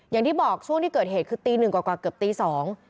อย่างที่บอกช่วงที่เกิดเหตุคือตีหนึ่งกว่ากว่าเกือบตีสอง